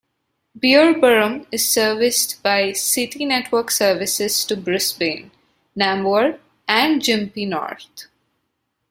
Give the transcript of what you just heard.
Beerburrum is serviced by City network services to Brisbane, Nambour and Gympie North.